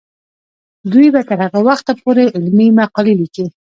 دوی به تر هغه وخته پورې علمي مقالې لیکي.